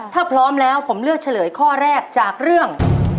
ถ้าพร้อมแล้วผมเลือกเฉลยข้อแรกจากเรื่อง